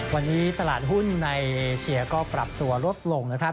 วันนี้ตลาดหุ้นในเอเชียก็ปรับตัวลดลงนะครับ